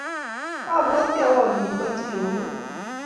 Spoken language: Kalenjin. Abwati awon olen po tulonokm